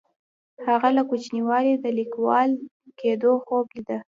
هغه له کوچنیوالي د لیکوال کیدو خوب لیده.